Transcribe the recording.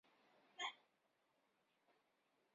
他在车店里买了一部可以在驾驶室做爱的高档小车。